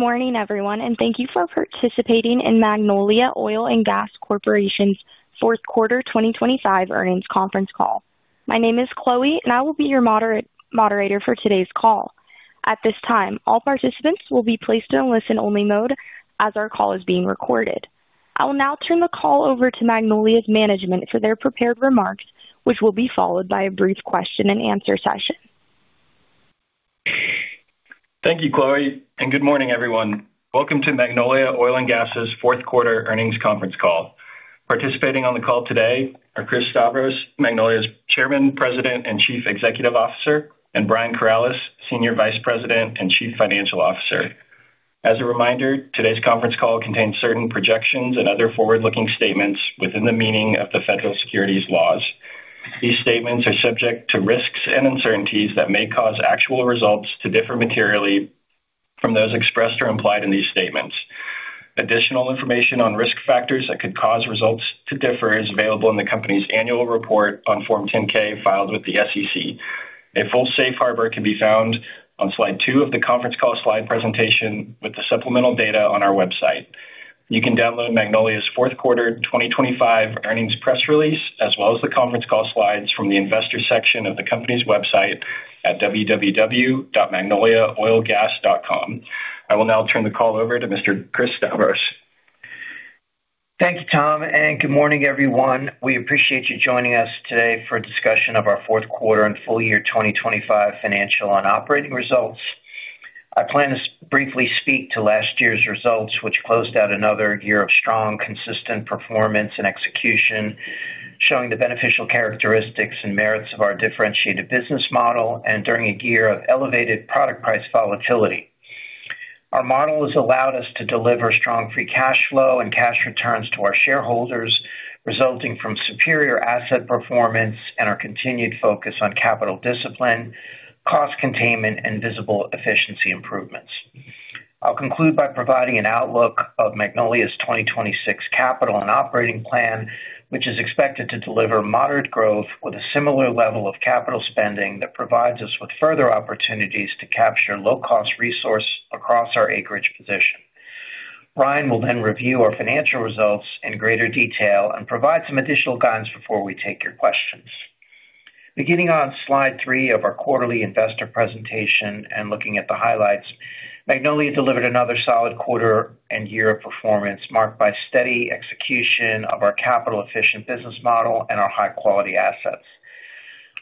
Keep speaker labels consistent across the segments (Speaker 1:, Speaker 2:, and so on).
Speaker 1: Good morning, everyone, and thank you for participating in Magnolia Oil & Gas Corporation's fourth quarter 2025 earnings conference call. My name is Chloe, and I will be your moderator for today's call. At this time, all participants will be placed in a listen-only mode as our call is being recorded. I will now turn the call over to Magnolia's management for their prepared remarks, which will be followed by a brief question-and-answer session.
Speaker 2: Thank you, Chloe, and good morning, everyone. Welcome to Magnolia Oil & Gas's fourth quarter earnings conference call. Participating on the call today are Chris Stavros, Magnolia's Chairman, President, and Chief Executive Officer, and Brian Corales, Senior Vice President and Chief Financial Officer. As a reminder, today's conference call contains certain projections and other forward-looking statements within the meaning of the federal securities laws. These statements are subject to risks and uncertainties that may cause actual results to differ materially from those expressed or implied in these statements. Additional information on risk factors that could cause results to differ is available in the company's annual report on Form 10-K filed with the SEC. A full safe harbor can be found on slide two of the conference call slide presentation with the supplemental data on our website. You can download Magnolia's fourth quarter 2025 earnings press release as well as the conference call slides from the investor section of the company's website at www.magnoliaoilgas.com. I will now turn the call over to Mr. Chris Stavros.
Speaker 3: Thank you, Tom, and good morning, everyone. We appreciate you joining us today for a discussion of our fourth quarter and full year 2025 financial and operating results. I plan to briefly speak to last year's results, which closed out another year of strong, consistent performance and execution showing the beneficial characteristics and merits of our differentiated business model and during a year of elevated product price volatility. Our model has allowed us to deliver strong free cash flow and cash returns to our shareholders, resulting from superior asset performance and our continued focus on capital discipline, cost containment, and visible efficiency improvements. I'll conclude by providing an outlook of Magnolia's 2026 capital and operating plan, which is expected to deliver moderate growth with a similar level of capital spending that provides us with further opportunities to capture low-cost resource across our acreage position. Brian will then review our financial results in greater detail and provide some additional guidance before we take your questions. Beginning on slide 3 of our quarterly investor presentation and looking at the highlights, Magnolia delivered another solid quarter and year of performance marked by steady execution of our capital-efficient business model and our high-quality assets.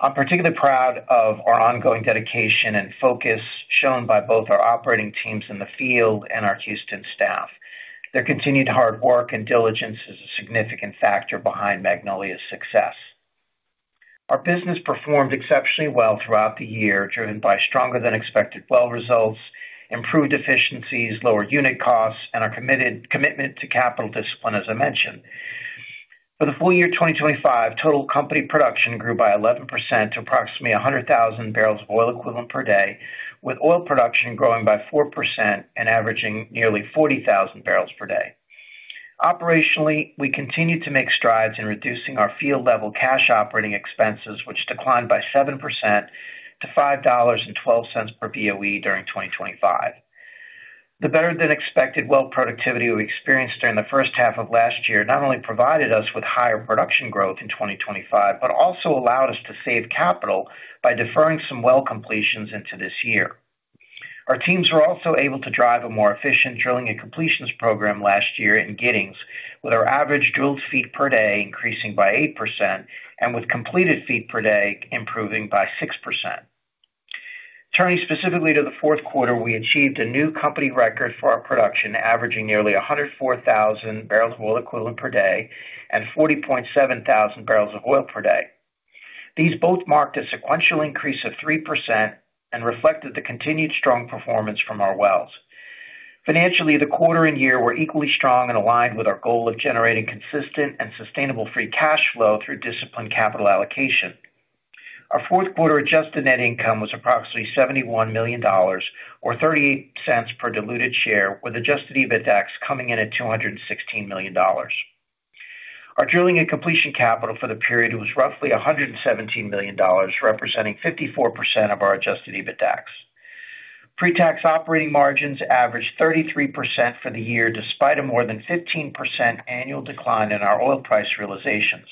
Speaker 3: I'm particularly proud of our ongoing dedication and focus shown by both our operating teams in the field and our Houston staff. Their continued hard work and diligence is a significant factor behind Magnolia's success. Our business performed exceptionally well throughout the year, driven by stronger-than-expected well results, improved efficiencies, lower unit costs, and our commitment to capital discipline, as I mentioned. For the full year 2025, total company production grew by 11% to approximately 100,000 barrels of oil equivalent per day, with oil production growing by 4% and averaging nearly 40,000 barrels per day. Operationally, we continued to make strides in reducing our field-level cash operating expenses, which declined by 7% to $5.12 per BOE during 2025. The better-than-expected well productivity we experienced during the first half of last year not only provided us with higher production growth in 2025 but also allowed us to save capital by deferring some well completions into this year. Our teams were also able to drive a more efficient drilling and completions program last year in Giddings, with our average drilled feet per day increasing by 8% and with completed feet per day improving by 6%. Turning specifically to the fourth quarter, we achieved a new company record for our production, averaging nearly 104,000 barrels of oil equivalent per day and 40,700 barrels of oil per day. These both marked a sequential increase of 3% and reflected the continued strong performance from our wells. Financially, the quarter and year were equally strong and aligned with our goal of generating consistent and sustainable free cash flow through disciplined capital allocation. Our fourth quarter adjusted net income was approximately $71 million or $0.38 per diluted share, with adjusted EBITDA coming in at $216 million. Our drilling and completion capital for the period was roughly $117 million, representing 54% of our adjusted EBITDA. Pre-tax operating margins averaged 33% for the year despite a more than 15% annual decline in our oil price realizations.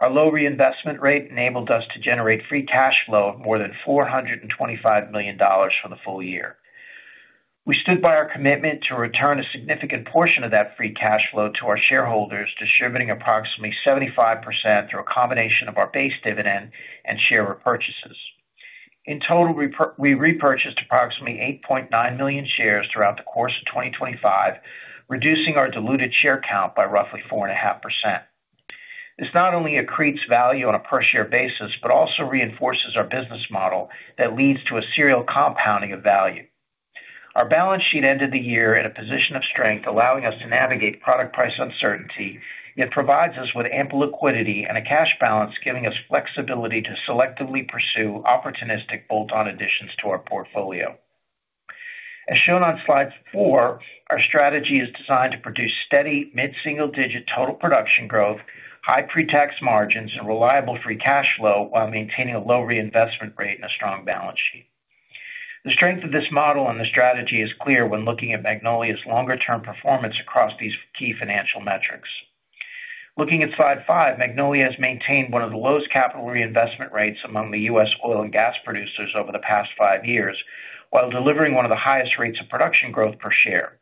Speaker 3: Our low reinvestment rate enabled us to generate free cash flow of more than $425 million for the full year. We stood by our commitment to return a significant portion of that free cash flow to our shareholders, distributing approximately 75% through a combination of our base dividend and share repurchases. In total, we repurchased approximately 8.9 million shares throughout the course of 2025, reducing our diluted share count by roughly 4.5%. This not only accretes value on a per-share basis but also reinforces our business model that leads to a serial compounding of value. Our balance sheet ended the year in a position of strength, allowing us to navigate product price uncertainty, yet provides us with ample liquidity and a cash balance giving us flexibility to selectively pursue opportunistic bolt-on additions to our portfolio. As shown on slide 4, our strategy is designed to produce steady mid-single-digit total production growth, high pre-tax margins, and reliable free cash flow while maintaining a low reinvestment rate and a strong balance sheet. The strength of this model and the strategy is clear when looking at Magnolia's longer-term performance across these key financial metrics. Looking at slide 5, Magnolia has maintained one of the lowest capital reinvestment rates among the U.S. oil and gas producers over the past 5 years while delivering one of the highest rates of production growth per share.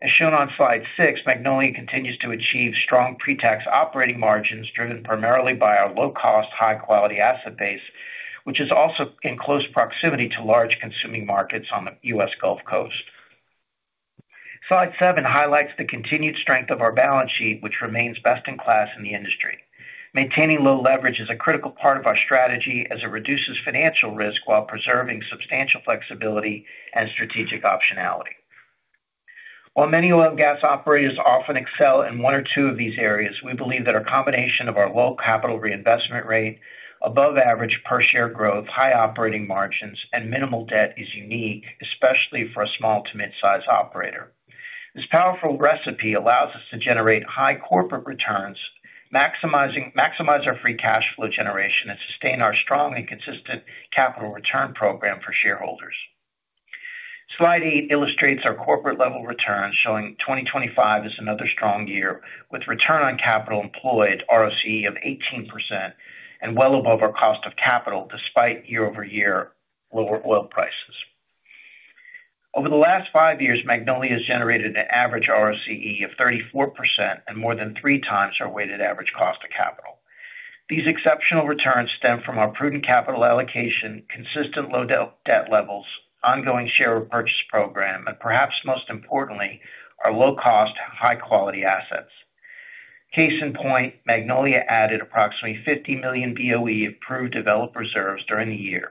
Speaker 3: As shown on slide 6, Magnolia continues to achieve strong pre-tax operating margins driven primarily by our low-cost, high-quality asset base, which is also in close proximity to large consuming markets on the U.S. Gulf Coast. Slide 7 highlights the continued strength of our balance sheet, which remains best in class in the industry. Maintaining low leverage is a critical part of our strategy as it reduces financial risk while preserving substantial flexibility and strategic optionality. While many oil and gas operators often excel in one or two of these areas, we believe that our combination of our low capital reinvestment rate, above-average per-share growth, high operating margins, and minimal debt is unique, especially for a small to midsize operator. This powerful recipe allows us to generate high corporate returns, maximize our free cash flow generation, and sustain our strong and consistent capital return program for shareholders. Slide 8 illustrates our corporate-level returns, showing 2025 as another strong year with return on capital employed, ROCE, of 18% and well above our cost of capital despite year-over-year lower oil prices. Over the last 5 years, Magnolia has generated an average ROCE of 34% and more than 3x our weighted average cost of capital. These exceptional returns stem from our prudent capital allocation, consistent low debt levels, ongoing share repurchase program, and perhaps most importantly, our low-cost, high-quality assets. Case in point, Magnolia added approximately 50 million BOE proved developed reserves during the year.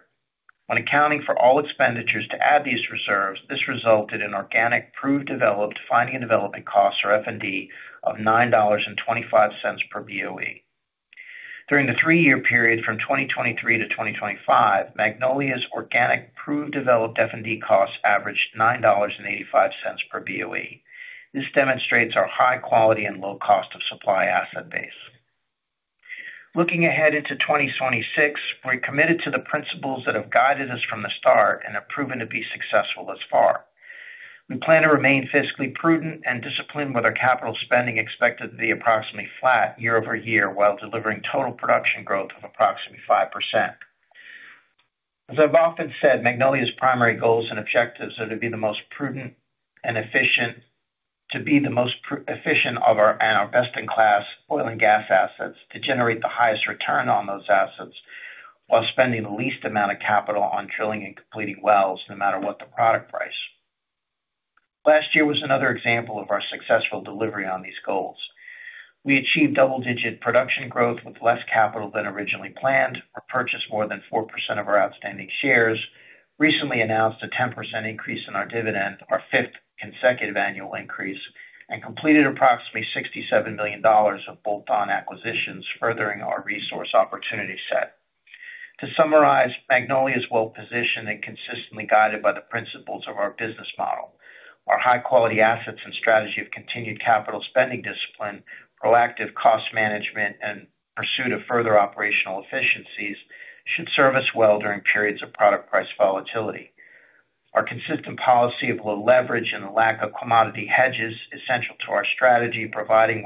Speaker 3: When accounting for all expenditures to add these reserves, this resulted in organic proved developed finding and development costs, or F&D, of $9.25 per BOE. During the three-year period from 2023 to 2025, Magnolia's organic proved developed F&D costs averaged $9.85 per BOE. This demonstrates our high-quality and low-cost of supply asset base. Looking ahead into 2026, we're committed to the principles that have guided us from the start and have proven to be successful thus far. We plan to remain fiscally prudent and disciplined with our capital spending expected to be approximately flat year-over-year while delivering total production growth of approximately 5%. As I've often said, Magnolia's primary goals and objectives are to be the most prudent and efficient to be the most efficient of our best-in-class oil and gas assets, to generate the highest return on those assets while spending the least amount of capital on drilling and completing wells, no matter what the product price. Last year was another example of our successful delivery on these goals. We achieved double-digit production growth with less capital than originally planned, repurchased more than 4% of our outstanding shares, recently announced a 10% increase in our dividend, our fifth consecutive annual increase, and completed approximately $67 million of bolt-on acquisitions, furthering our resource opportunity set. To summarize, Magnolia is well positioned and consistently guided by the principles of our business model. Our high-quality assets and strategy of continued capital spending discipline, proactive cost management, and pursuit of further operational efficiencies should serve us well during periods of product price volatility. Our consistent policy of low leverage and the lack of commodity hedges is central to our strategy, providing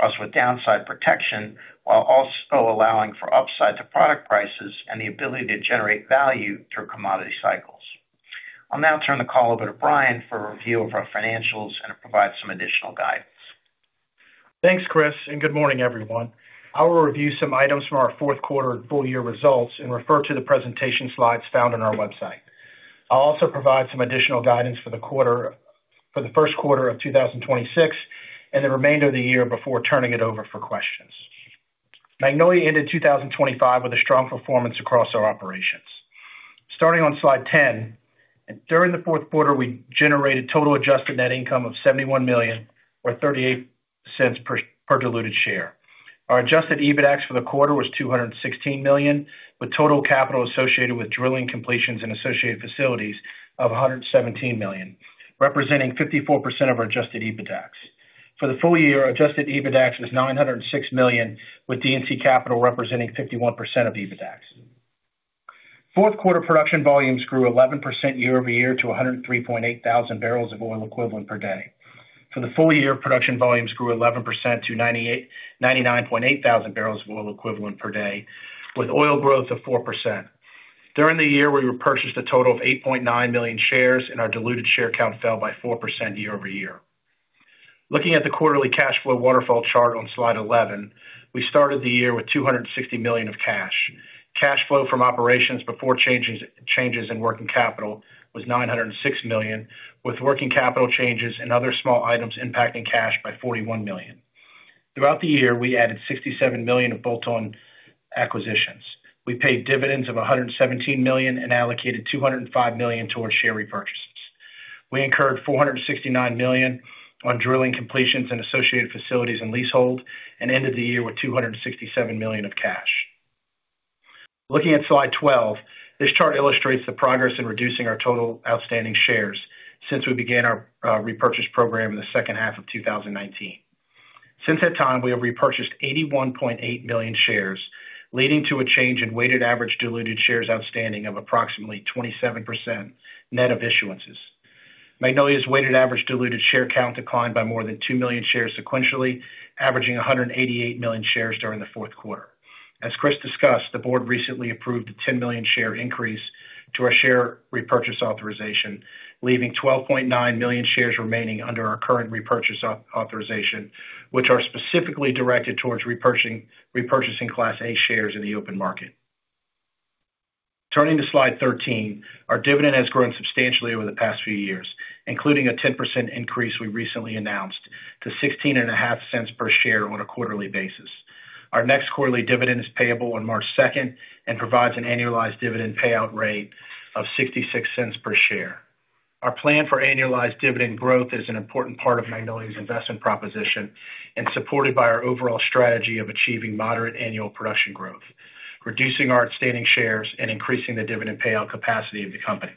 Speaker 3: us with downside protection while also allowing for upside to product prices and the ability to generate value through commodity cycles. I'll now turn the call over to Brian for a review of our financials and provide some additional guidance.
Speaker 4: Thanks, Chris, and good morning, everyone. I will review some items from our fourth quarter and full year results and refer to the presentation slides found on our website. I'll also provide some additional guidance for the first quarter of 2026 and the remainder of the year before turning it over for questions. Magnolia ended 2025 with a strong performance across our operations. Starting on slide 10, during the fourth quarter, we generated total Adjusted net income of $71 million or $0.38 per diluted share. Our Adjusted EBITDA for the quarter was $216 million, with total capital associated with drilling completions and associated facilities of $117 million, representing 54% of our Adjusted EBITDA. For the full year, Adjusted EBITDA was $906 million, with D&C capital representing 51% of EBITDA. Fourth quarter production volumes grew 11% year-over-year to 103,800 barrels of oil equivalent per day. For the full year, production volumes grew 11% to 99,800 barrels of oil equivalent per day, with oil growth of 4%. During the year, we repurchased a total of 8.9 million shares, and our diluted share count fell by 4% year-over-year. Looking at the quarterly cash flow waterfall chart on slide 11, we started the year with $260 million of cash. Cash flow from operations before changes in working capital was $906 million, with working capital changes and other small items impacting cash by $41 million. Throughout the year, we added $67 million of bolt-on acquisitions. We paid dividends of $117 million and allocated $205 million towards share repurchases. We incurred $469 million on drilling completions and associated facilities and leasehold and ended the year with $267 million of cash. Looking at slide 12, this chart illustrates the progress in reducing our total outstanding shares since we began our repurchase program in the second half of 2019. Since that time, we have repurchased 81.8 million shares, leading to a change in weighted average diluted shares outstanding of approximately 27% net of issuances. Magnolia's weighted average diluted share count declined by more than 2 million shares sequentially, averaging 188 million shares during the fourth quarter. As Chris discussed, the board recently approved a 10 million share increase to our share repurchase authorization, leaving 12.9 million shares remaining under our current repurchase authorization, which are specifically directed towards repurchasing Class A shares in the open market. Turning to slide 13, our dividend has grown substantially over the past few years, including a 10% increase we recently announced to $0.16 per share on a quarterly basis. Our next quarterly dividend is payable on March 2nd and provides an annualized dividend payout rate of $0.66 per share. Our plan for annualized dividend growth is an important part of Magnolia's investment proposition and supported by our overall strategy of achieving moderate annual production growth, reducing our outstanding shares, and increasing the dividend payout capacity of the company.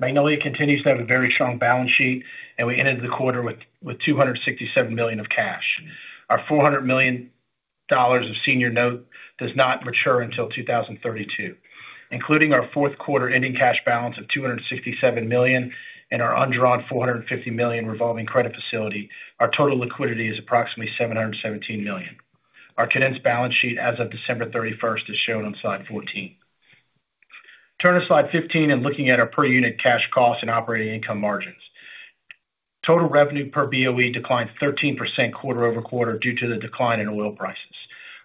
Speaker 4: Magnolia continues to have a very strong balance sheet, and we ended the quarter with $267 million of cash. Our $400 million of senior notes does not mature until 2032. Including our fourth quarter ending cash balance of $267 million and our undrawn $450 million revolving credit facility, our total liquidity is approximately $717 million. Our consolidated balance sheet as of December 31st is shown on slide 14. Turn to slide 15 and looking at our per unit cash costs and operating income margins. Total revenue per BOE declined 13% quarter-over-quarter due to the decline in oil prices.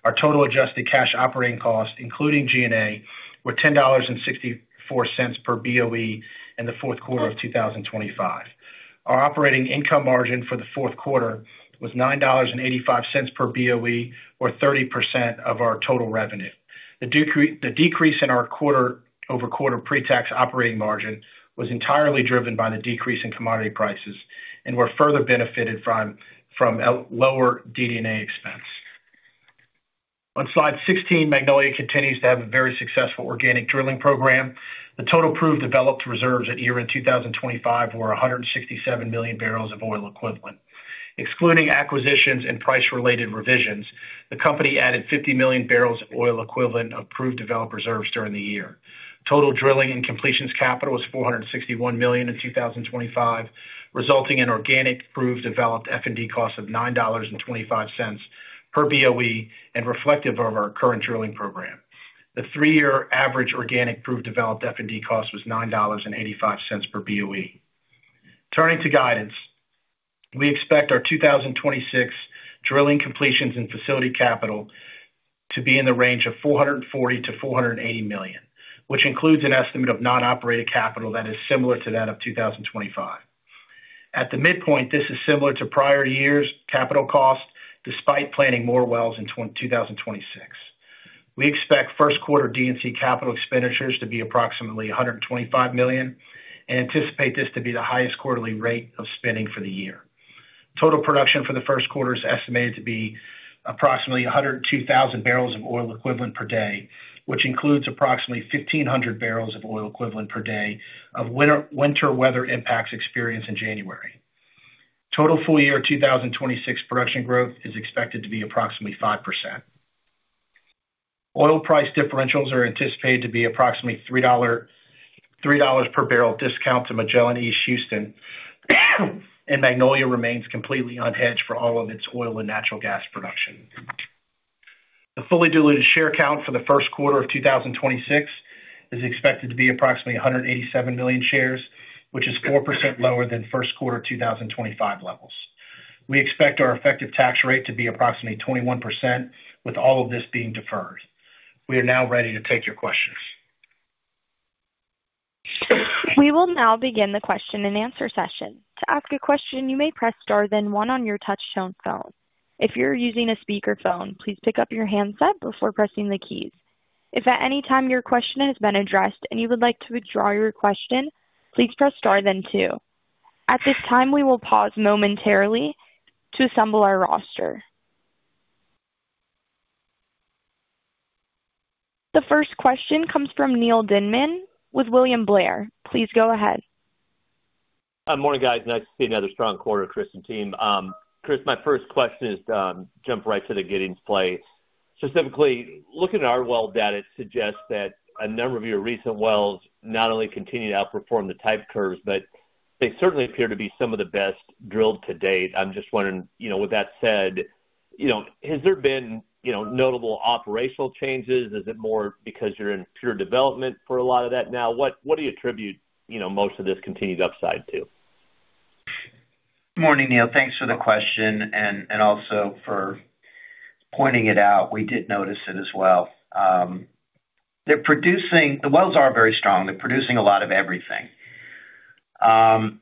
Speaker 4: Our total adjusted cash operating costs, including G&A, were $10.64 per BOE in the fourth quarter of 2025. Our operating income margin for the fourth quarter was $9.85 per BOE, or 30% of our total revenue. The decrease in our quarter-over-quarter pre-tax operating margin was entirely driven by the decrease in commodity prices and were further benefited from lower D&A expense. On slide 16, Magnolia continues to have a very successful organic drilling program. The total proved developed reserves at year-end 2025 were 167 million barrels of oil equivalent. Excluding acquisitions and price-related revisions, the company added 50 million barrels of oil equivalent of proved developed reserves during the year. Total drilling and completions capital was $461 million in 2025, resulting in organic proved developed F&D costs of $9.25 per BOE and reflective of our current drilling program. The three-year average organic proved developed F&D cost was $9.85 per BOE. Turning to guidance, we expect our 2026 drilling completions and facility capital to be in the range of $440-$480 million, which includes an estimate of non-operated capital that is similar to that of 2025. At the midpoint, this is similar to prior years' capital cost despite planning more wells in 2026. We expect first quarter D&C capital expenditures to be approximately $125 million and anticipate this to be the highest quarterly rate of spending for the year. Total production for the first quarter is estimated to be approximately 102,000 barrels of oil equivalent per day, which includes approximately 1,500 barrels of oil equivalent per day of winter weather impacts experienced in January. Total full year 2026 production growth is expected to be approximately 5%. Oil price differentials are anticipated to be approximately $3 per barrel discount to Magellan East Houston, and Magnolia remains completely unhedged for all of its oil and natural gas production. The fully diluted share count for the first quarter of 2026 is expected to be approximately 187 million shares, which is 4% lower than first quarter 2025 levels. We expect our effective tax rate to be approximately 21%, with all of this being deferred. We are now ready to take your questions.
Speaker 1: We will now begin the question and answer session. To ask a question, you may press star then one on your touch-tone phone. If you're using a speakerphone, please pick up your handset before pressing the keys. If at any time your question has been addressed and you would like to withdraw your question, please press star then two. At this time, we will pause momentarily to assemble our roster. The first question comes from Neal Dingmann with William Blair. Please go ahead.
Speaker 5: Morning, guys. Nice to see another strong quarter, Chris and team. Chris, my first question is to jump right to the Giddings play. Specifically, looking at our well data, it suggests that a number of your recent wells not only continue to outperform the type curves, but they certainly appear to be some of the best drilled to date. I'm just wondering, with that said, has there been notable operational changes? Is it more because you're in pure development for a lot of that now? What do you attribute most of this continued upside to?
Speaker 3: Morning, Neal. Thanks for the question and also for pointing it out. We did notice it as well. The wells are very strong. They're producing a lot of everything. I'm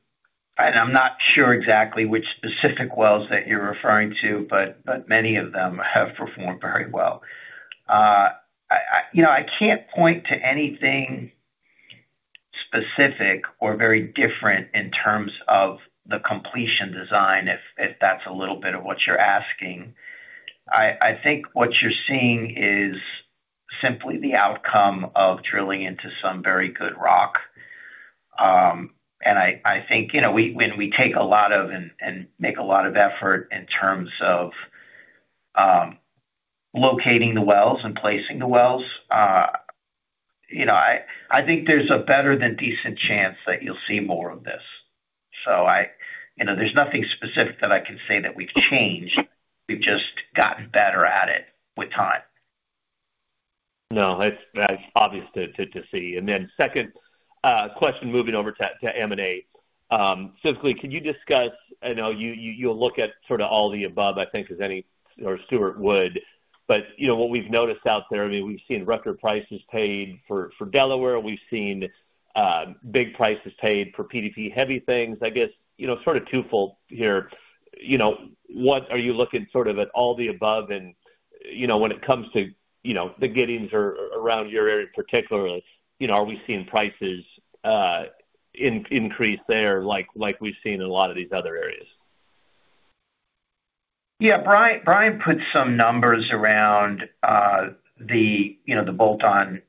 Speaker 3: not sure exactly which specific wells that you're referring to, but many of them have performed very well. I can't point to anything specific or very different in terms of the completion design, if that's a little bit of what you're asking. I think what you're seeing is simply the outcome of drilling into some very good rock. I think when we take a lot of and make a lot of effort in terms of locating the wells and placing the wells, I think there's a better than decent chance that you'll see more of this. There's nothing specific that I can say that we've changed. We've just gotten better at it with time.
Speaker 5: No, that's obvious to see. Then second question, moving over to M&A. Specifically, could you discuss? I know you'll look at sort of all the above, I think, as any operator would. But what we've noticed out there, I mean, we've seen record prices paid for Delaware. We've seen big prices paid for PDP-heavy things. I guess sort of twofold here. Are you looking sort of at all the above? And when it comes to the assets around your area particularly, are we seeing prices increase there like we've seen in a lot of these other areas?
Speaker 3: Yeah. Brian put some numbers around the bolt-on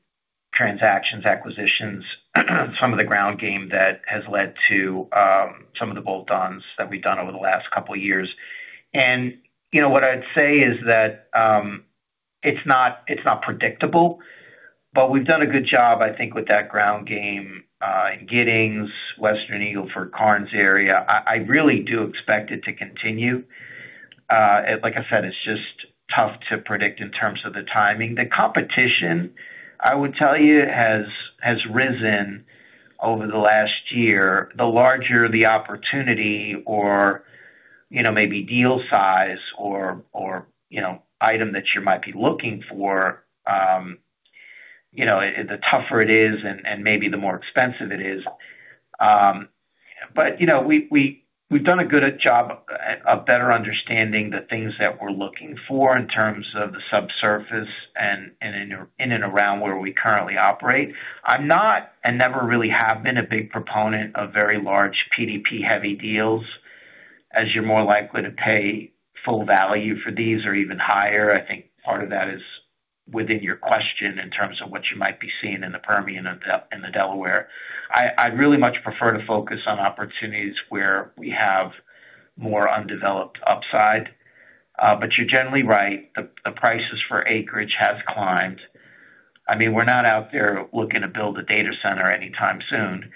Speaker 3: transactions, acquisitions, some of the ground game that has led to some of the bolt-ons that we've done over the last couple of years. What I'd say is that it's not predictable. We've done a good job, I think, with that ground game in Giddings, Western Eagle Ford, Karnes area. I really do expect it to continue. Like I said, it's just tough to predict in terms of the timing. The competition, I would tell you, has risen over the last year. The larger the opportunity or maybe deal size or item that you might be looking for, the tougher it is and maybe the more expensive it is. We've done a good job of better understanding the things that we're looking for in terms of the subsurface and in and around where we currently operate. I'm not and never really have been a big proponent of very large PDP-heavy deals, as you're more likely to pay full value for these or even higher. I think part of that is within your question in terms of what you might be seeing in the Permian in the Delaware. I'd really much prefer to focus on opportunities where we have more undeveloped upside. But you're generally right. The prices for acreage have climbed. I mean, we're not out there looking to build a data center anytime soon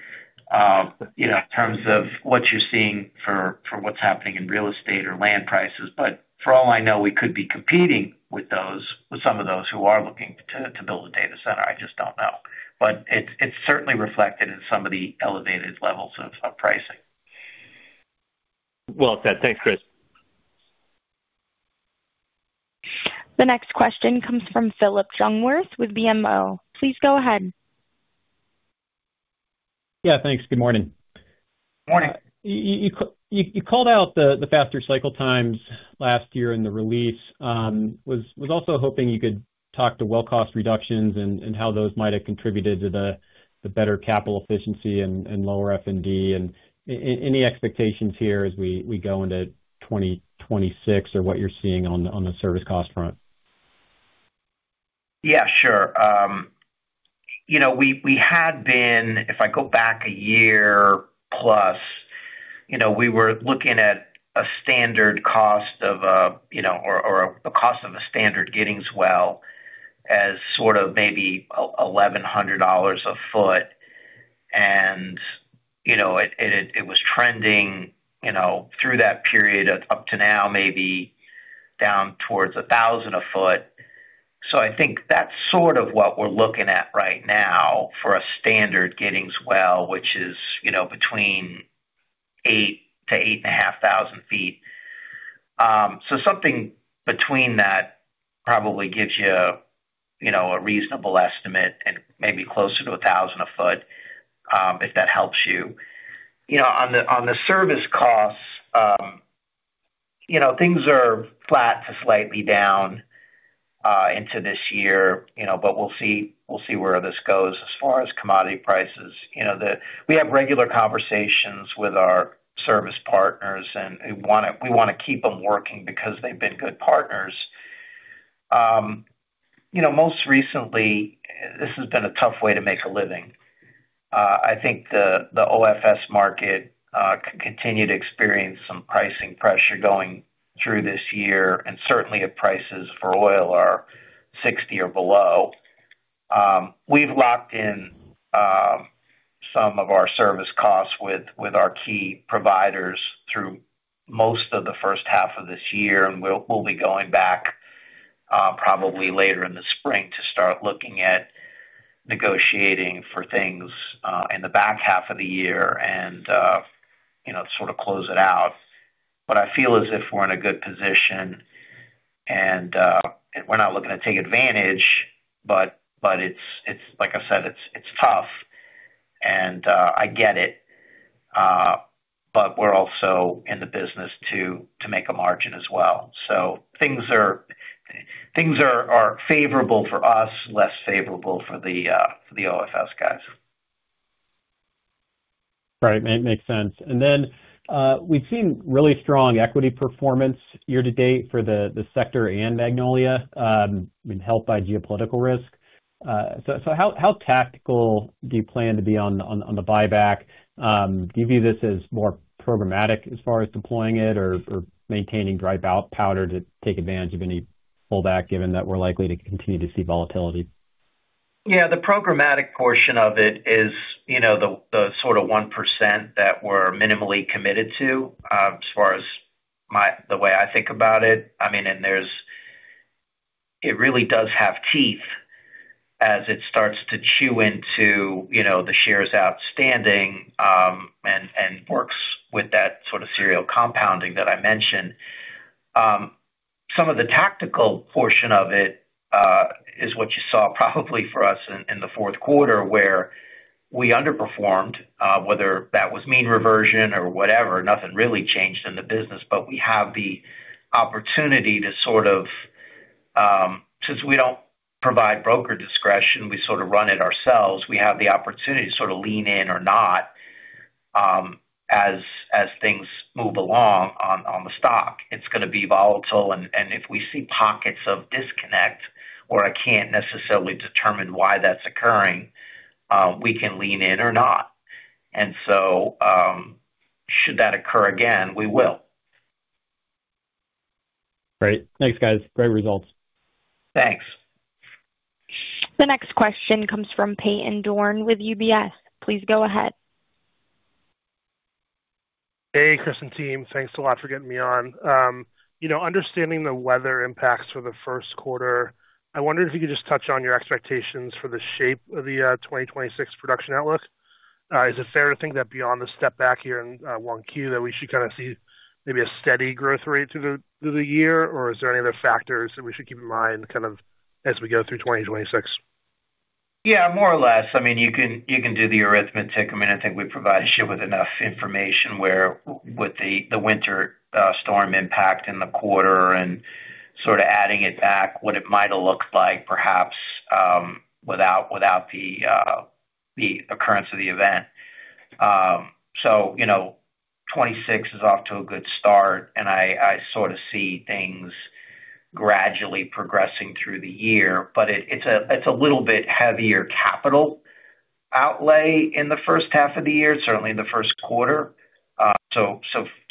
Speaker 3: in terms of what you're seeing for what's happening in real estate or land prices. But for all I know, we could be competing with some of those who are looking to build a data center. I just don't know. But it's certainly reflected in some of the elevated levels of pricing.
Speaker 5: Well said. Thanks, Chris.
Speaker 1: The next question comes from Phillip Jungwirth with BMO. Please go ahead.
Speaker 6: Yeah. Thanks. Good morning.
Speaker 3: Morning.
Speaker 6: You called out the faster cycle times last year in the release. Was also hoping you could talk to well-cost reductions and how those might have contributed to the better capital efficiency and lower F&D? Any expectations here as we go into 2026 or what you're seeing on the service cost front?
Speaker 3: Yeah. Sure. We had been if I go back a year plus, we were looking at a standard cost of a or a cost of a standard Giddings well as sort of maybe $1,100 a foot. And it was trending through that period up to now, maybe down towards $1,000 a foot. So I think that's sort of what we're looking at right now for a standard Giddings well, which is between 8,000 ft-8,500 ft. So something between that probably gives you a reasonable estimate and maybe closer to $1,000 a foot, if that helps you. On the service costs, things are flat to slightly down into this year. But we'll see where this goes as far as commodity prices. We have regular conversations with our service partners, and we want to keep them working because they've been good partners. Most recently, this has been a tough way to make a living. I think the OFS market can continue to experience some pricing pressure going through this year, and certainly if prices for oil are 60 or below. We've locked in some of our service costs with our key providers through most of the first half of this year. We'll be going back probably later in the spring to start looking at negotiating for things in the back half of the year and sort of close it out. I feel as if we're in a good position, and we're not looking to take advantage. Like I said, it's tough. I get it. We're also in the business to make a margin as well. Things are favorable for us, less favorable for the OFS guys.
Speaker 6: Right. Makes sense. And then we've seen really strong equity performance year-to-date for the sector and Magnolia, I mean, helped by geopolitical risk. So how tactical do you plan to be on the buyback? Do you view this as more programmatic as far as deploying it or maintaining dry powder to take advantage of any pullback, given that we're likely to continue to see volatility?
Speaker 3: Yeah. The programmatic portion of it is the sort of 1% that we're minimally committed to as far as the way I think about it. I mean, and it really does have teeth as it starts to chew into the shares outstanding and works with that sort of serial compounding that I mentioned. Some of the tactical portion of it is what you saw probably for us in the fourth quarter, where we underperformed, whether that was mean reversion or whatever. Nothing really changed in the business. But we have the opportunity to sort of since we don't provide broker discretion, we sort of run it ourselves. We have the opportunity to sort of lean in or not as things move along on the stock. It's going to be volatile. If we see pockets of disconnect where I can't necessarily determine why that's occurring, we can lean in or not. Should that occur again, we will.
Speaker 6: Great. Thanks, guys. Great results.
Speaker 3: Thanks.
Speaker 1: The next question comes from Peyton Dorne with UBS. Please go ahead.
Speaker 7: Hey, Chris and team. Thanks a lot for getting me on. Understanding the weather impacts for the first quarter, I wondered if you could just touch on your expectations for the shape of the 2026 production outlook. Is it fair to think that beyond the step back here in 1Q, that we should kind of see maybe a steady growth rate through the year? Or is there any other factors that we should keep in mind kind of as we go through 2026?
Speaker 3: Yeah, more or less. I mean, you can do the arithmetic. I mean, I think we provide you with enough information with the winter storm impact in the quarter and sort of adding it back, what it might have looked like, perhaps, without the occurrence of the event. So 2026 is off to a good start, and I sort of see things gradually progressing through the year. But it's a little bit heavier capital outlay in the first half of the year, certainly in the first quarter. So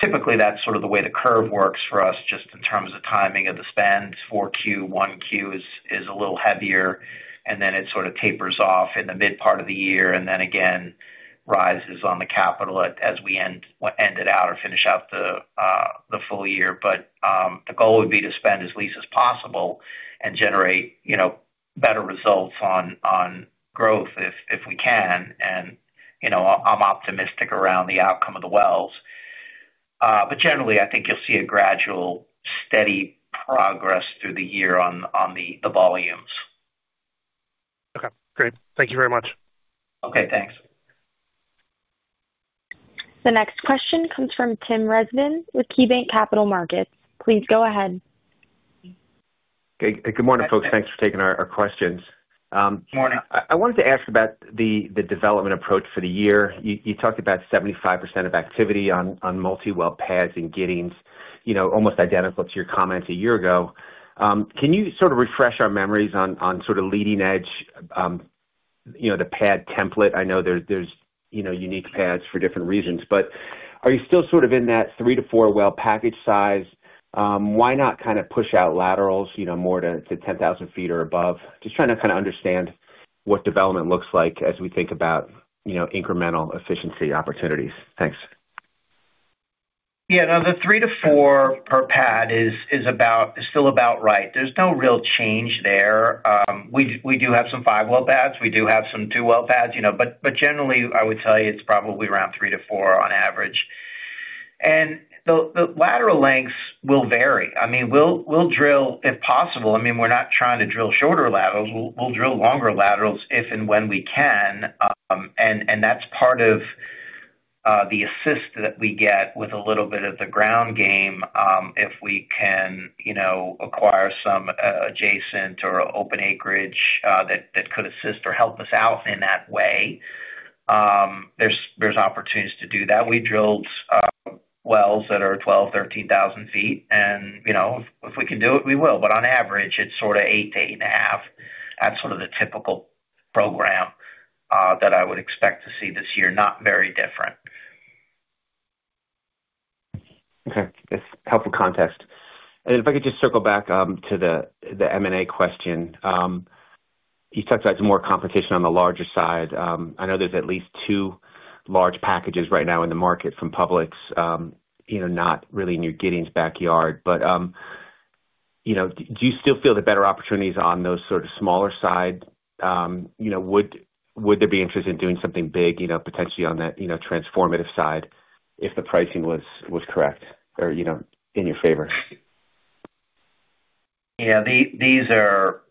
Speaker 3: typically, that's sort of the way the curve works for us just in terms of timing of the spend. 4Q, 1Q is a little heavier, and then it sort of tapers off in the mid-part of the year and then again rises on the capital as we end it out or finish out the full year. The goal would be to spend as little as possible and generate better results on growth if we can. I'm optimistic around the outcome of the wells. Generally, I think you'll see a gradual, steady progress through the year on the volumes.
Speaker 7: Okay. Great. Thank you very much.
Speaker 3: Okay. Thanks.
Speaker 1: The next question comes from Tim Rezvan with KeyBanc Capital Markets. Please go ahead.
Speaker 8: Good morning, folks. Thanks for taking our questions.
Speaker 3: Good morning.
Speaker 8: I wanted to ask about the development approach for the year. You talked about 75% of activity on multiwell pads and Giddings, almost identical to your comments a year ago. Can you sort of refresh our memories on sort of leading-edge the pad template? I know there's unique pads for different reasons. But are you still sort of in that 3-4 well package size? Why not kind of push out laterals more to 10,000 ft or above? Just trying to kind of understand what development looks like as we think about incremental efficiency opportunities. Thanks.
Speaker 3: Yeah. No, the 3-4 per pad is still about right. There's no real change there. We do have some 5-well pads. We do have some 2-well pads. But generally, I would tell you it's probably around 3-4 on average. And the lateral lengths will vary. I mean, we'll drill if possible. I mean, we're not trying to drill shorter laterals. We'll drill longer laterals if and when we can. And that's part of the assist that we get with a little bit of the ground game if we can acquire some adjacent or open acreage that could assist or help us out in that way. There's opportunities to do that. We drilled wells that are 12,000 ft, 13,000 ft. And if we can do it, we will. But on average, it's sort of 8 ft-8.5 ft. That's sort of the typical program that I would expect to see this year. Not very different.
Speaker 8: Okay. That's helpful context. If I could just circle back to the M&A question, you talked about some more competition on the larger side. I know there's at least two large packages right now in the market from Pioneer, not really in your Giddings backyard. Do you still feel the better opportunities on those sort of smaller side? Would there be interest in doing something big, potentially on that transformative side if the pricing was correct or in your favor?
Speaker 3: Yeah. These are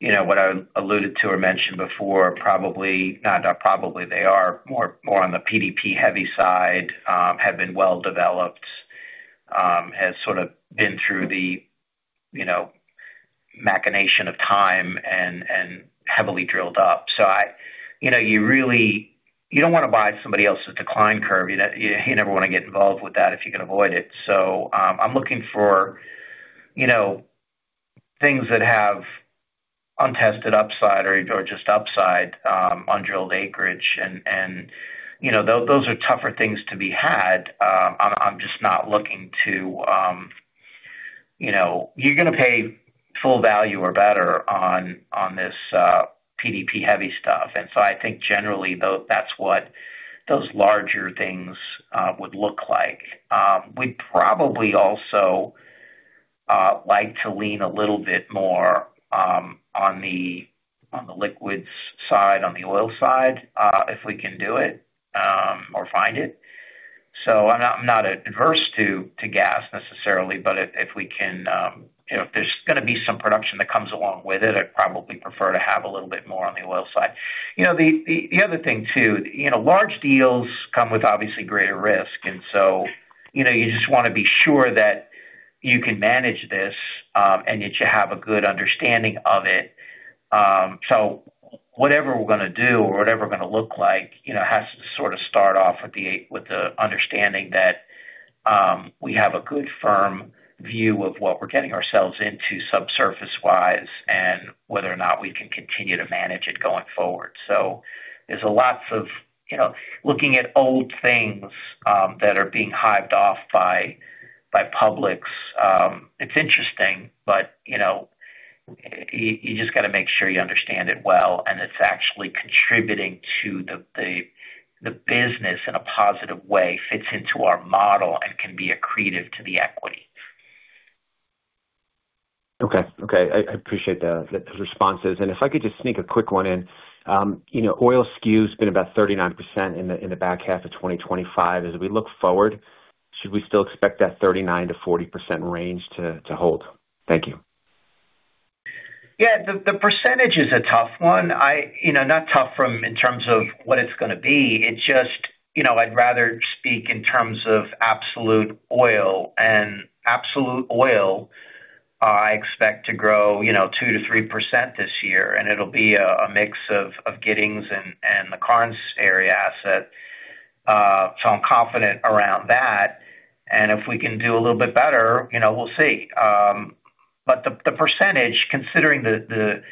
Speaker 3: what I alluded to or mentioned before. Not probably. They are more on the PDP-heavy side, have been well developed, has sort of been through the machination of time and heavily drilled up. So you don't want to buy somebody else's decline curve. You never want to get involved with that if you can avoid it. So I'm looking for things that have untested upside or just upside on drilled acreage. And those are tougher things to be had. I'm just not looking to you're going to pay full value or better on this PDP-heavy stuff. And so I think generally, that's what those larger things would look like. We'd probably also like to lean a little bit more on the liquids side, on the oil side, if we can do it or find it. So I'm not adverse to gas necessarily. But if there's going to be some production that comes along with it, I'd probably prefer to have a little bit more on the oil side. The other thing, too, large deals come with, obviously, greater risk. And so you just want to be sure that you can manage this and that you have a good understanding of it. So whatever we're going to do or whatever we're going to look like has to sort of start off with the understanding that we have a good firm view of what we're getting ourselves into subsurface-wise and whether or not we can continue to manage it going forward. So there's a lot of looking at old things that are being hived off by publics. It's interesting, but you just got to make sure you understand it well and it's actually contributing to the business in a positive way, fits into our model, and can be accretive to the equity.
Speaker 8: Okay. Okay. I appreciate those responses. And if I could just sneak a quick one in, oil mix has been about 39% in the back half of 2025. As we look forward, should we still expect that 39%-40% range to hold? Thank you.
Speaker 3: Yeah. The percentage is a tough one. Not tough in terms of what it's going to be. It's just I'd rather speak in terms of absolute oil. And absolute oil, I expect to grow 2%-3% this year. And it'll be a mix of Giddings and the Karnes area asset. So I'm confident around that. And if we can do a little bit better, we'll see. But the percentage, considering the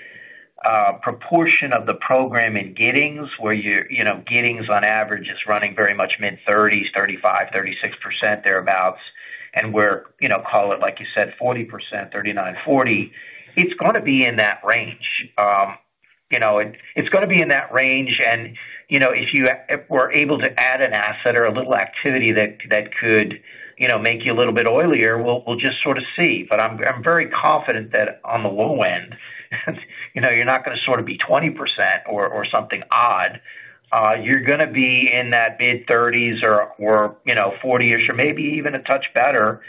Speaker 3: proportion of the program in Giddings, where Giddings on average is running very much mid-30s, 35%-36% thereabouts, and we're, call it, like you said, 40%, 39%-40%, it's going to be in that range. It's going to be in that range. And if you were able to add an asset or a little activity that could make you a little bit oilier, we'll just sort of see. But I'm very confident that on the low end, you're not going to sort of be 20% or something odd. You're going to be in that mid-30s or 40-ish or maybe even a touch better,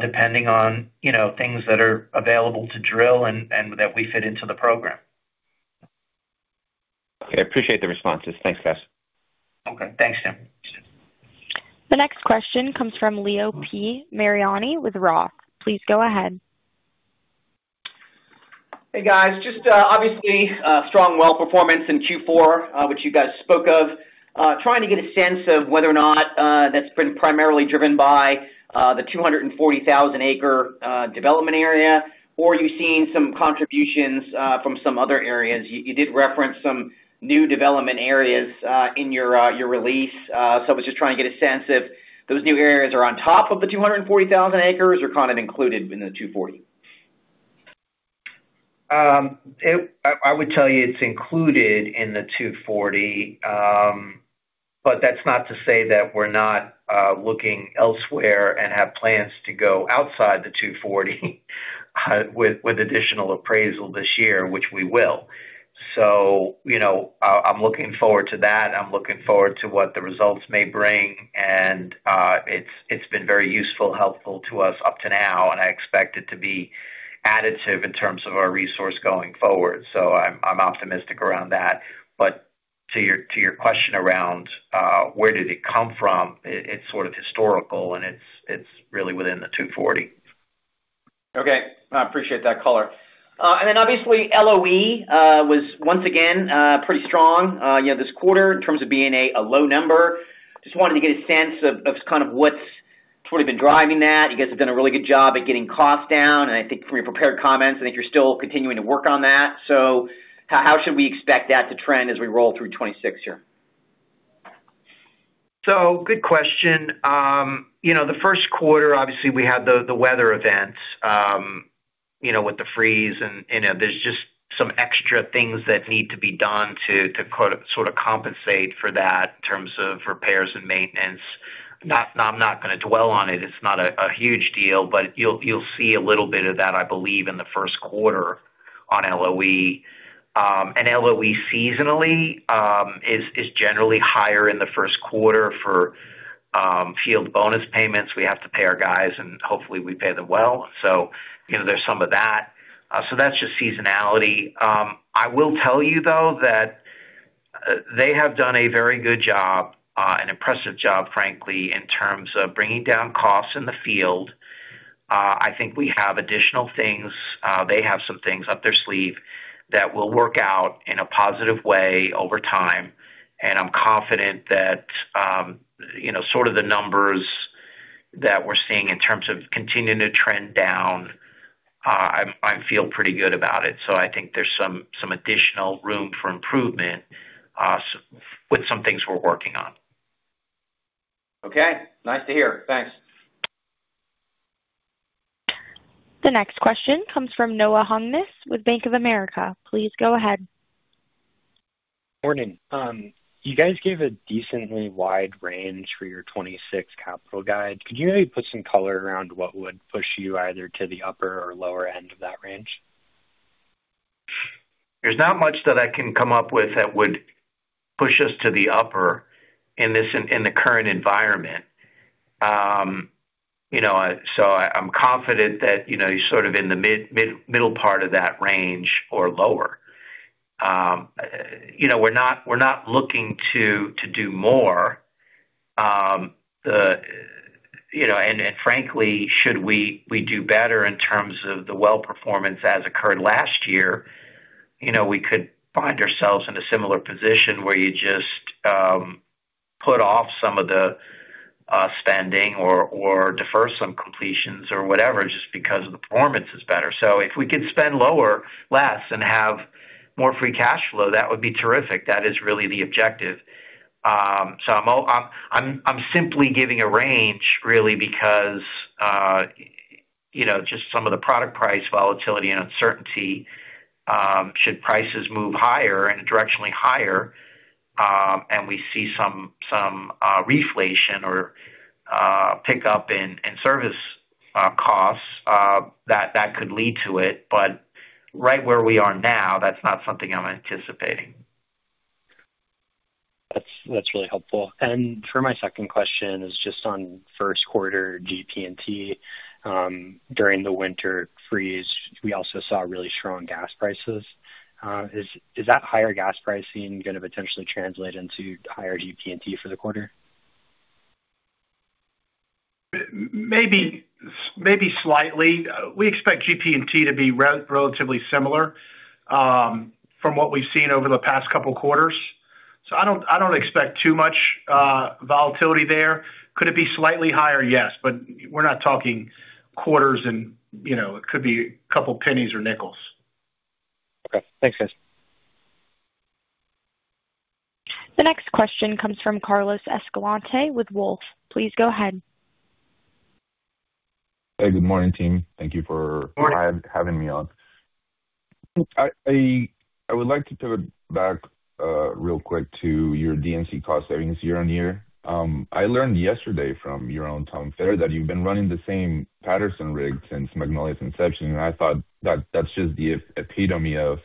Speaker 3: depending on things that are available to drill and that we fit into the program.
Speaker 8: Okay. Appreciate the responses. Thanks, guys.
Speaker 3: Okay. Thanks, Tim.
Speaker 1: The next question comes from Leo Mariani with Roth. Please go ahead.
Speaker 9: Hey, guys. Just obviously, strong well performance in Q4, which you guys spoke of, trying to get a sense of whether or not that's been primarily driven by the 240,000-acre development area or you've seen some contributions from some other areas. You did reference some new development areas in your release. So I was just trying to get a sense if those new areas are on top of the 240,000 acres or kind of included in the 240,000 acres.
Speaker 3: I would tell you it's included in the 240,000 acres. But that's not to say that we're not looking elsewhere and have plans to go outside the 240,000 acres with additional appraisal this year, which we will. So I'm looking forward to that. I'm looking forward to what the results may bring. And it's been very useful, helpful to us up to now. And I expect it to be additive in terms of our resource going forward. So I'm optimistic around that. But to your question around where did it come from, it's sort of historical, and it's really within the 240, 000 acres.
Speaker 9: Okay. I appreciate that color. And then obviously, LOE was once again pretty strong this quarter in terms of being a low number. Just wanted to get a sense of kind of what's sort of been driving that. You guys have done a really good job at getting costs down. And I think from your prepared comments, I think you're still continuing to work on that. So how should we expect that to trend as we roll through 2026 here?
Speaker 3: So good question. The first quarter, obviously, we had the weather events with the freeze. And there's just some extra things that need to be done to sort of compensate for that in terms of repairs and maintenance. I'm not going to dwell on it. It's not a huge deal. But you'll see a little bit of that, I believe, in the first quarter on LOE. And LOE seasonally is generally higher in the first quarter for field bonus payments. We have to pay our guys, and hopefully, we pay them well. So there's some of that. So that's just seasonality. I will tell you, though, that they have done a very good job, an impressive job, frankly, in terms of bringing down costs in the field. I think we have additional things. They have some things up their sleeve that will work out in a positive way over time. I'm confident that sort of the numbers that we're seeing in terms of continuing to trend down, I feel pretty good about it. I think there's some additional room for improvement with some things we're working on.
Speaker 9: Okay. Nice to hear. Thanks.
Speaker 1: The next question comes from Noah Hungness with Bank of America Corporation. Please go ahead.
Speaker 10: Morning. You guys gave a decently wide range for your 2026 capital guide. Could you maybe put some color around what would push you either to the upper or lower end of that range?
Speaker 3: There's not much that I can come up with that would push us to the upper in the current environment. So I'm confident that you're sort of in the middle part of that range or lower. We're not looking to do more. And frankly, should we do better in terms of the well performance as occurred last year, we could find ourselves in a similar position where you just put off some of the spending or defer some completions or whatever just because the performance is better. So if we could spend less and have more free cash flow, that would be terrific. That is really the objective. So I'm simply giving a range, really, because just some of the product price volatility and uncertainty. Should prices move higher and directionally higher and we see some reflation or pickup in service costs, that could lead to it. But right where we are now, that's not something I'm anticipating.
Speaker 10: That's really helpful. For my second question, it's just on first quarter GP&T. During the winter freeze, we also saw really strong gas prices. Is that higher gas pricing going to potentially translate into higher GP&T for the quarter?
Speaker 4: Maybe slightly. We expect GP&T to be relatively similar from what we've seen over the past couple of quarters. So I don't expect too much volatility there. Could it be slightly higher? Yes. But we're not talking quarters, and it could be a couple of pennies or nickels.
Speaker 10: Okay. Thanks, guys.
Speaker 1: The next question comes from Carlos Escalante with Wolfe. Please go ahead.
Speaker 11: Hey. Good morning, team. Thank you for having me on. I would like to pivot back real quick to your D&C cost savings year-over-year. I learned yesterday from your own, Tom Fitter, that you've been running the same Patterson rig since Magnolia's inception. And I thought that that's just the epitome of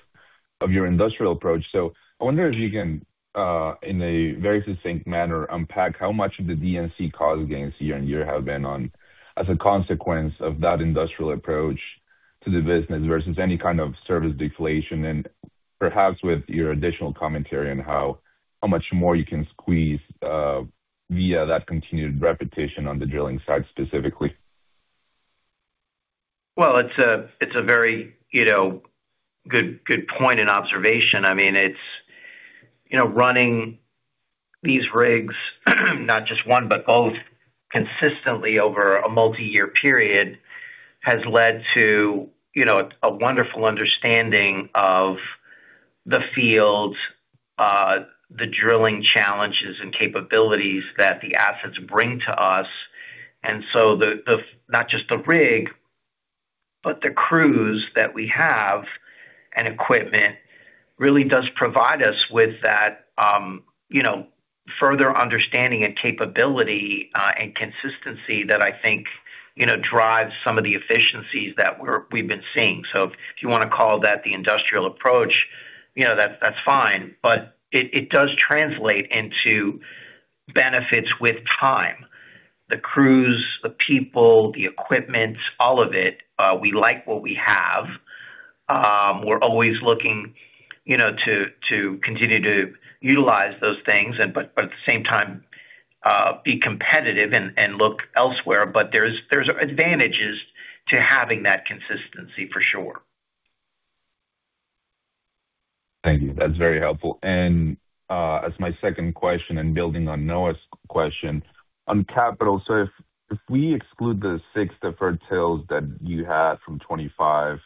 Speaker 11: your industrial approach. So I wonder if you can, in a very succinct manner, unpack how much of the D&C cost gains year-over-year have been as a consequence of that industrial approach to the business versus any kind of service deflation, and perhaps with your additional commentary on how much more you can squeeze via that continued repetition on the drilling side specifically.
Speaker 3: Well, it's a very good point and observation. I mean, running these rigs, not just one but both, consistently over a multi-year period has led to a wonderful understanding of the field, the drilling challenges, and capabilities that the assets bring to us. And so not just the rig, but the crews that we have and equipment really does provide us with that further understanding and capability and consistency that I think drives some of the efficiencies that we've been seeing. So if you want to call that the industrial approach, that's fine. But it does translate into benefits with time. The crews, the people, the equipment, all of it, we like what we have. We're always looking to continue to utilize those things but at the same time be competitive and look elsewhere. But there's advantages to having that consistency, for sure.
Speaker 11: Thank you. That's very helpful. As my second question and building on Noah's question on capital, so if we exclude the six deferred wells that you had from 2025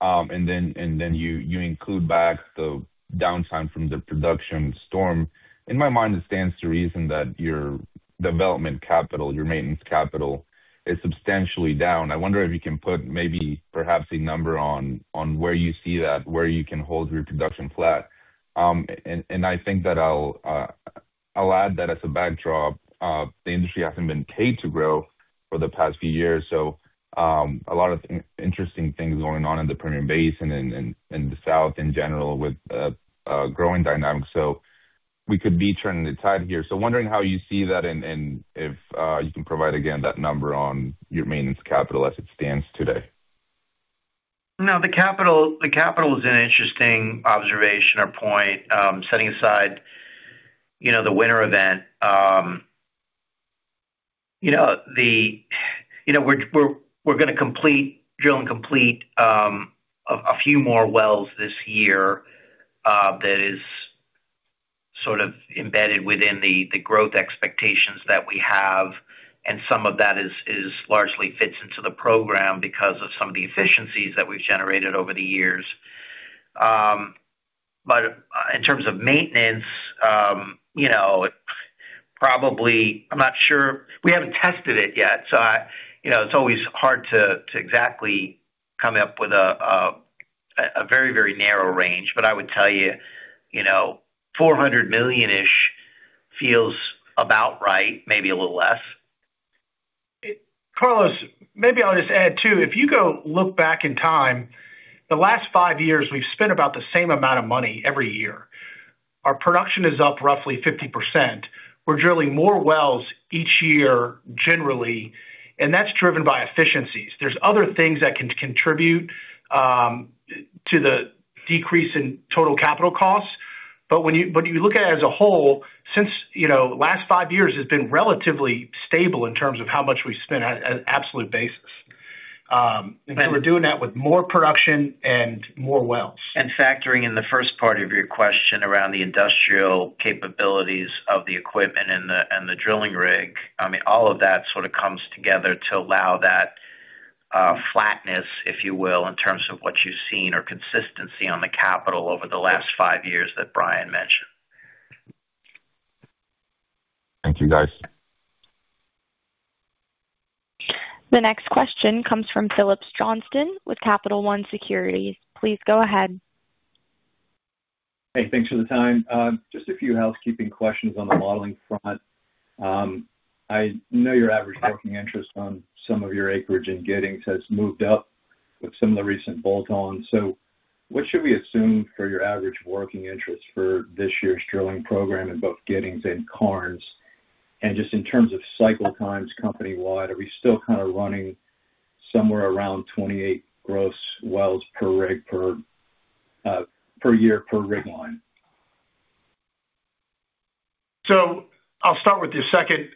Speaker 11: and then you include back the downtime from the production storm, in my mind, it stands to reason that your development capital, your maintenance capital, is substantially down. I wonder if you can put maybe perhaps a number on where you see that, where you can hold your production flat. I think that I'll add that as a backdrop, the industry hasn't been paid to grow for the past few years. So a lot of interesting things going on in the Permian Basin and the south in general with growing dynamics. So we could be turning the tide here. So wondering how you see that and if you can provide, again, that number on your maintenance capital as it stands today?
Speaker 3: No. The capital is an interesting observation or point. Setting aside the winter event, we're going to drill and complete a few more wells this year that is sort of embedded within the growth expectations that we have. And some of that largely fits into the program because of some of the efficiencies that we've generated over the years. But in terms of maintenance, probably I'm not sure. We haven't tested it yet. So it's always hard to exactly come up with a very, very narrow range. But I would tell you $400 million-ish feels about right, maybe a little less.
Speaker 4: Carlos, maybe I'll just add too. If you go look back in time, the last 5 years, we've spent about the same amount of money every year. Our production is up roughly 50%. We're drilling more wells each year, generally. And that's driven by efficiencies. There's other things that can contribute to the decrease in total capital costs. But when you look at it as a whole, since last 5 years, it's been relatively stable in terms of how much we spend on an absolute basis. And so we're doing that with more production and more wells.
Speaker 3: Factoring in the first part of your question around the industrial capabilities of the equipment and the drilling rig, I mean, all of that sort of comes together to allow that flatness, if you will, in terms of what you've seen or consistency on the capital over the last five years that Brian mentioned.
Speaker 11: Thank you, guys.
Speaker 1: The next question comes from Phillips Johnston with Capital One Securities. Please go ahead.
Speaker 12: Hey. Thanks for the time. Just a few housekeeping questions on the modeling front. I know your average working interest on some of your acreage in Giddings has moved up with some of the recent bolt-ons. So what should we assume for your average working interest for this year's drilling program in both Giddings and Karnes? And just in terms of cycle times company-wide, are we still kind of running somewhere around 28 gross wells per rig per year per rig line?
Speaker 4: So I'll start with your second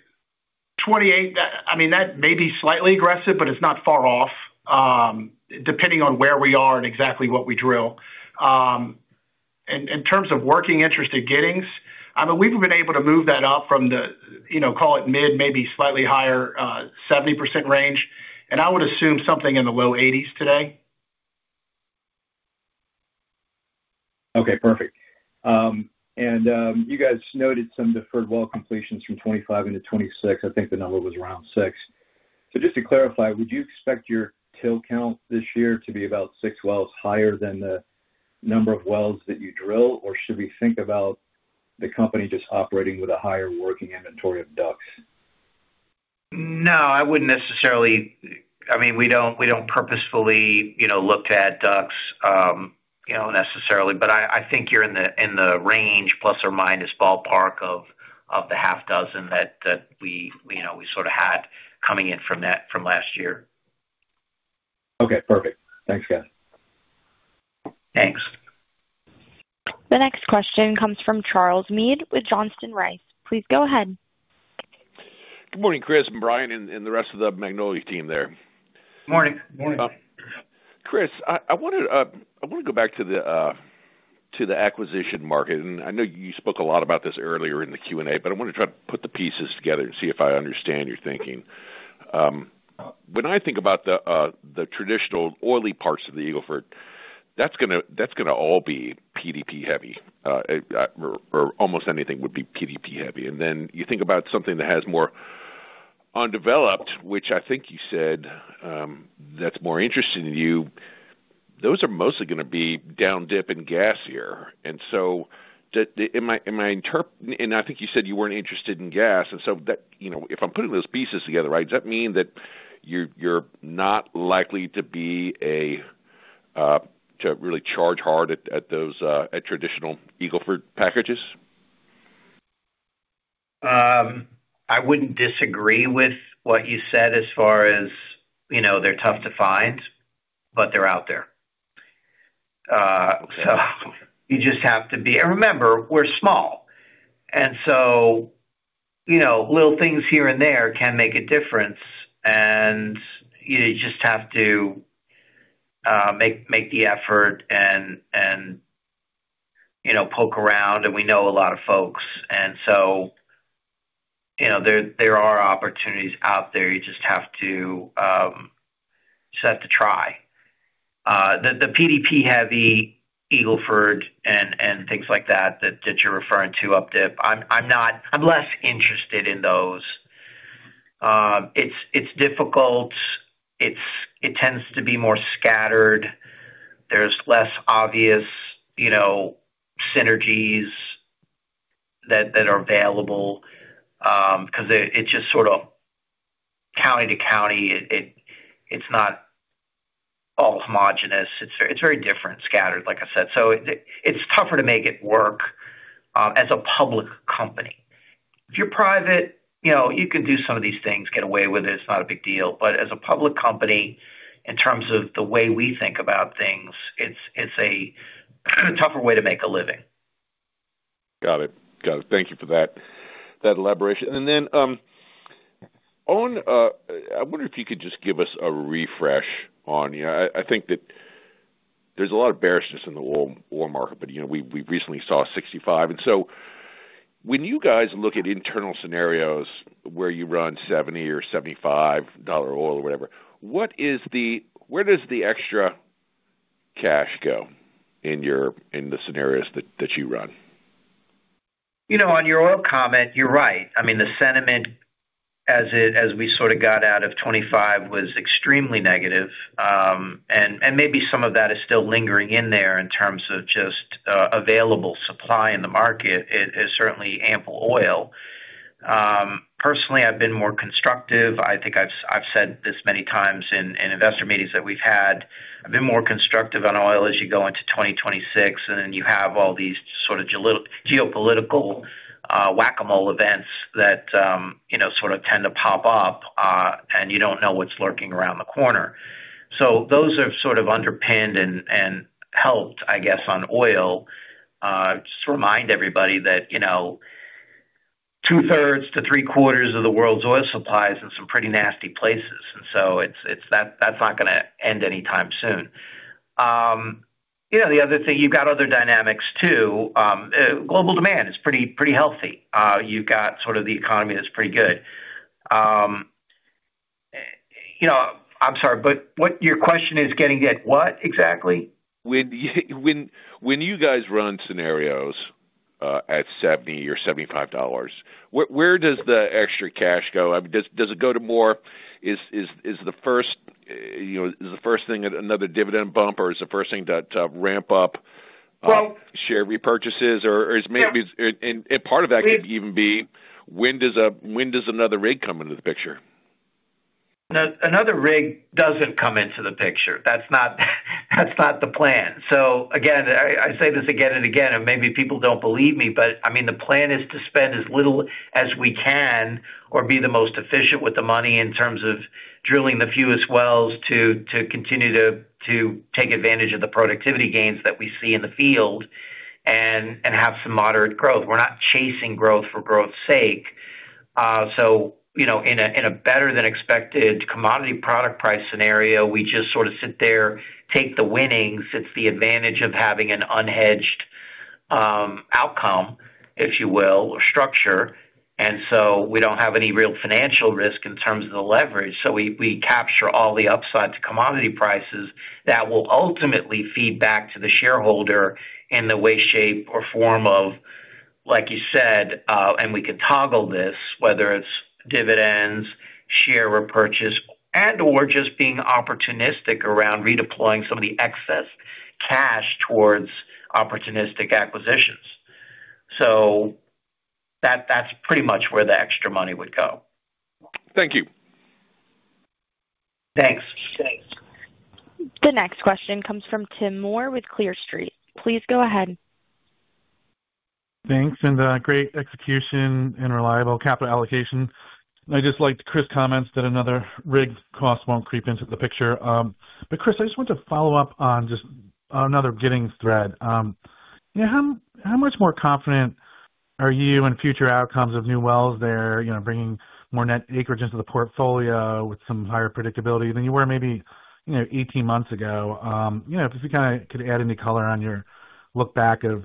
Speaker 4: 28, I mean, that may be slightly aggressive, but it's not far off depending on where we are and exactly what we drill. In terms of working interest in Giddings, I mean, we've been able to move that up from the call it mid, maybe slightly higher 70% range. And I would assume something in the low 80s today.
Speaker 12: Okay. Perfect. And you guys noted some deferred well completions from 2025 into 2026. I think the number was around 6. So just to clarify, would you expect your drill count this year to be about 6 wells higher than the number of wells that you drill? Or should we think about the company just operating with a higher working inventory of DUCs?
Speaker 3: No. I mean, we don't purposefully look at DUCs necessarily. But I think you're in the range plus or minus ballpark of the six that we sort of had coming in from last year.
Speaker 12: Okay. Perfect. Thanks, guys.
Speaker 3: Thanks.
Speaker 1: The next question comes from Charles Meade with Johnson Rice. Please go ahead.
Speaker 13: Good morning, Chris and Brian and the rest of the Magnolia team there.
Speaker 3: Morning.
Speaker 4: Morning.
Speaker 13: Chris, I want to go back to the acquisition market. I know you spoke a lot about this earlier in the Q&A, but I want to try to put the pieces together and see if I understand your thinking. When I think about the traditional oily parts of the Eagle Ford, that's going to all be PDP-heavy, or almost anything would be PDP-heavy. Then you think about something that has more undeveloped, which I think you said that's more interesting to you. Those are mostly going to be down dip and gas here. So am I, and I think you said you weren't interested in gas. So if I'm putting those pieces together, right, does that mean that you're not likely to be apt to really charge hard at those traditional Eagle Ford packages?
Speaker 3: I wouldn't disagree with what you said as far as they're tough to find, but they're out there. So you just have to be and remember, we're small. And so little things here and there can make a difference. And you just have to make the effort and poke around. And we know a lot of folks. And so there are opportunities out there. You just have to try. The PDP-heavy Eagle Ford and things like that that you're referring to, updip, I'm less interested in those. It's difficult. It tends to be more scattered. There's less obvious synergies that are available because it's just sort of county to county. It's not all homogeneous. It's very different, scattered, like I said. So it's tougher to make it work as a public company. If you're private, you can do some of these things, get away with it. It's not a big deal. But as a public company, in terms of the way we think about things, it's a tougher way to make a living.
Speaker 13: Got it. Got it. Thank you for that elaboration. And then I wonder if you could just give us a refresh on I think that there's a lot of bearishness in the oil market, but we recently saw $65. And so when you guys look at internal scenarios where you run $70 or $75 oil or whatever, where does the extra cash go in the scenarios that you run?
Speaker 3: On your oil comment, you're right. I mean, the sentiment as we sort of got out of 2025 was extremely negative. Maybe some of that is still lingering in there in terms of just available supply in the market. It is certainly ample oil. Personally, I've been more constructive. I think I've said this many times in investor meetings that we've had. I've been more constructive on oil as you go into 2026. Then you have all these sort of geopolitical whack-a-mole events that sort of tend to pop up, and you don't know what's lurking around the corner. Those have sort of underpinned and helped, I guess, on oil just to remind everybody that two-thirds to three-quarters of the world's oil supply is in some pretty nasty places. That's not going to end anytime soon. The other thing, you've got other dynamics too. Global demand is pretty healthy. You've got sort of the economy that's pretty good. I'm sorry, but what your question is getting at, what exactly?
Speaker 13: When you guys run scenarios at $70 or $75, where does the extra cash go? I mean, does it go to more? Is the first thing another dividend bump, or is the first thing to ramp up share repurchases? And part of that could even be when does another rig come into the picture?
Speaker 3: Another rig doesn't come into the picture. That's not the plan. So again, I say this again and again, and maybe people don't believe me, but I mean, the plan is to spend as little as we can or be the most efficient with the money in terms of drilling the fewest wells to continue to take advantage of the productivity gains that we see in the field and have some moderate growth. We're not chasing growth for growth's sake. So in a better-than-expected commodity product price scenario, we just sort of sit there, take the winnings. It's the advantage of having an unhedged outcome, if you will, or structure. And so we don't have any real financial risk in terms of the leverage. So we capture all the upside to commodity prices that will ultimately feed back to the shareholder in the way, shape, or form of, like you said and we can toggle this, whether it's dividends, share repurchase, and/or just being opportunistic around redeploying some of the excess cash towards opportunistic acquisitions. So that's pretty much where the extra money would go.
Speaker 13: Thank you.
Speaker 3: Thanks.
Speaker 1: The next question comes from Tim Moore with Clear Street. Please go ahead.
Speaker 14: Thanks. Great execution and reliable capital allocation. I just liked Chris' comments that another rig's cost won't creep into the picture. But Chris, I just want to follow up on just another Giddings thread. How much more confident are you in future outcomes of new wells there bringing more net acreage into the portfolio with some higher predictability than you were maybe 18 months ago? If you kind of could add any color on your lookback of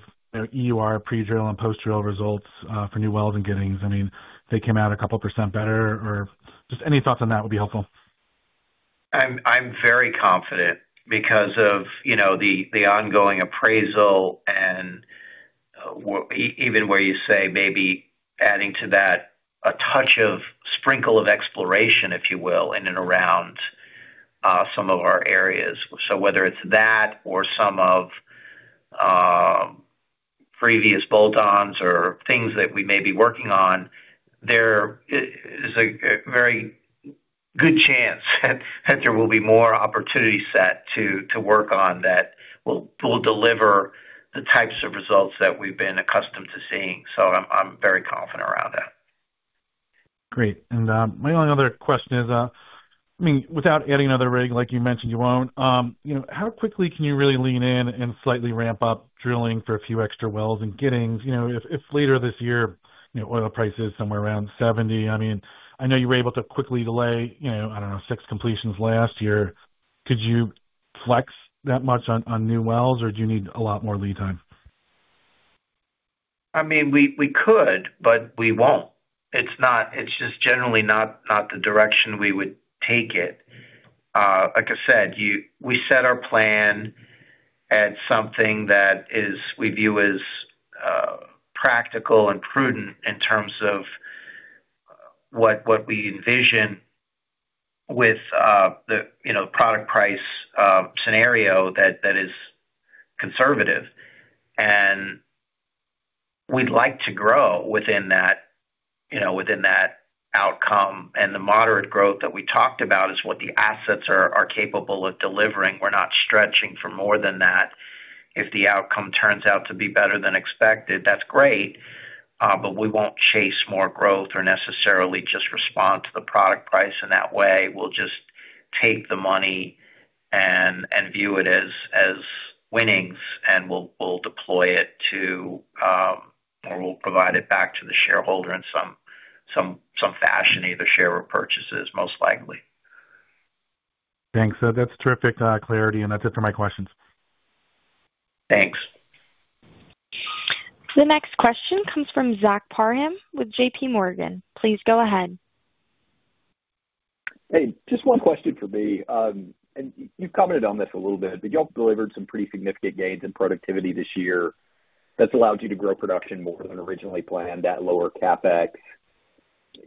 Speaker 14: EUR pre-drill and post-drill results for new wells in Giddings. I mean, if they came out a couple % better or just any thoughts on that would be helpful.
Speaker 3: I'm very confident because of the ongoing appraisal and even where you say maybe adding to that a touch of sprinkle of exploration, if you will, in and around some of our areas. So whether it's that or some of previous bolt-ons or things that we may be working on, there is a very good chance that there will be more opportunity set to work on that will deliver the types of results that we've been accustomed to seeing. So I'm very confident around that.
Speaker 14: Great. And my only other question is, I mean, without adding another rig, like you mentioned, you won't, how quickly can you really lean in and slightly ramp up drilling for a few extra wells in Giddings if later this year, oil price is somewhere around $70? I mean, I know you were able to quickly delay, I don't know, 6 completions last year. Could you flex that much on new wells, or do you need a lot more lead time?
Speaker 3: I mean, we could, but we won't. It's just generally not the direction we would take it. Like I said, we set our plan at something that we view as practical and prudent in terms of what we envision with the product price scenario that is conservative. And we'd like to grow within that outcome. And the moderate growth that we talked about is what the assets are capable of delivering. We're not stretching for more than that. If the outcome turns out to be better than expected, that's great. But we won't chase more growth or necessarily just respond to the product price in that way. We'll just take the money and view it as winnings, and we'll deploy it to or we'll provide it back to the shareholder in some fashion, either share repurchases, most likely.
Speaker 14: Thanks. That's terrific clarity. And that's it for my questions.
Speaker 3: Thanks.
Speaker 1: The next question comes from Zach Parham with JPMorgan Chase & Co.. Please go ahead.
Speaker 15: Hey. Just one question for me. You've commented on this a little bit, but y'all delivered some pretty significant gains in productivity this year that's allowed you to grow production more than originally planned, that lower CapEx.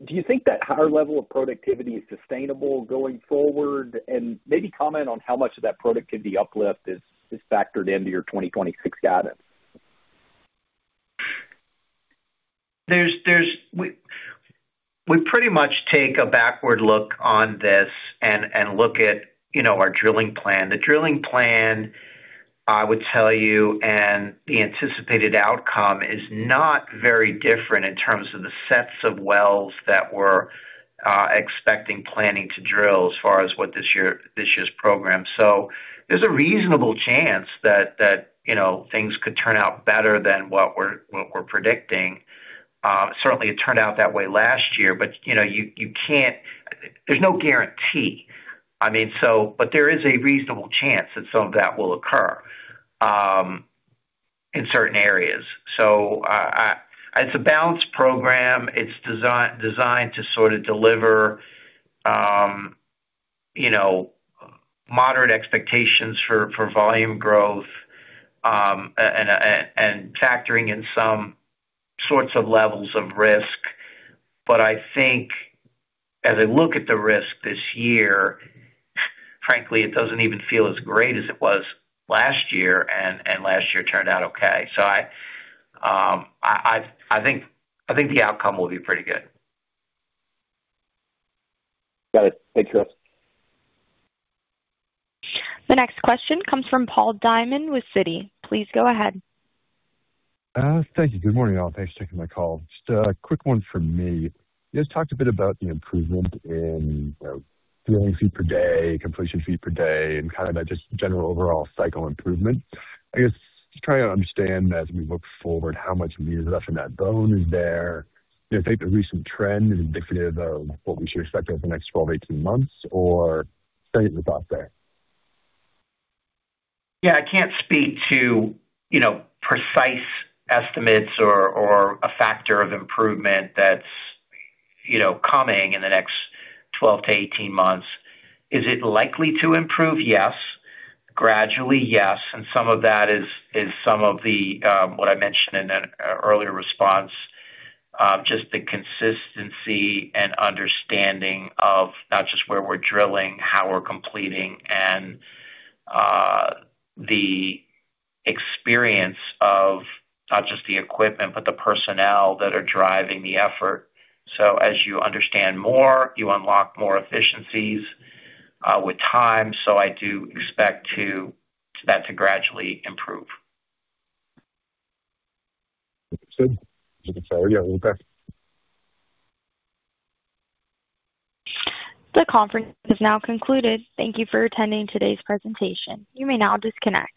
Speaker 15: Do you think that higher level of productivity is sustainable going forward? Maybe comment on how much of that productivity uplift is factored into your 2026 guidance.
Speaker 3: We pretty much take a backward look on this and look at our drilling plan. The drilling plan, I would tell you, and the anticipated outcome is not very different in terms of the sets of wells that we're expecting planning to drill as far as what this year's program. So there's a reasonable chance that things could turn out better than what we're predicting. Certainly, it turned out that way last year, but you can't. There's no guarantee. I mean, but there is a reasonable chance that some of that will occur in certain areas. So it's a balanced program. It's designed to sort of deliver moderate expectations for volume growth and factoring in some sorts of levels of risk. But I think as I look at the risk this year, frankly, it doesn't even feel as great as it was last year. And last year turned out okay. I think the outcome will be pretty good.
Speaker 15: Got it. Thanks, Chris.
Speaker 1: The next question comes from Paul Diamond with Citi. Please go ahead.
Speaker 16: Thank you. Good morning, all. Thanks for taking my call. Just a quick one from me. You just talked a bit about the improvement in drilling feet per day, completion feet per day, and kind of that just general overall cycle improvement. I guess just trying to understand as we look forward how much meat is left in that bone is there? Is that the recent trend indicative of what we should expect over the next 12, 18 months, or is that your thoughts there?
Speaker 3: Yeah. I can't speak to precise estimates or a factor of improvement that's coming in the next 12-18 months. Is it likely to improve? Yes. Gradually, yes. And some of that is some of what I mentioned in an earlier response, just the consistency and understanding of not just where we're drilling, how we're completing, and the experience of not just the equipment but the personnel that are driving the effort. So as you understand more, you unlock more efficiencies with time. So I do expect that to gradually improve.
Speaker 16: Understood. Thank you, fellas. Yeah. We'll be back.
Speaker 1: The conference is now concluded. Thank you for attending today's presentation. You may now disconnect.